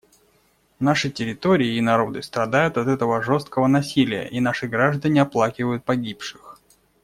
Наши территории и народы страдают от этого жестокого насилия, и наши граждане оплакивают погибших.